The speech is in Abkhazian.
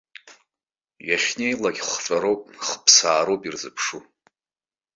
Иахьнеилак хҵәароуп, хыԥсаароуп ирзыԥшу!